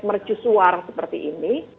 mercusuar seperti ini